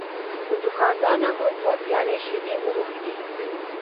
له دوکاندار نه مو دوه پیالې شیدې وغوښتې.